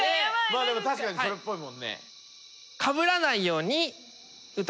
まあでも確かにそれっぽいもんね。